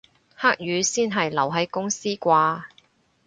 黑雨先係留喺公司啩